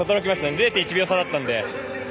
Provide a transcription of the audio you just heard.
０．１秒差だったので。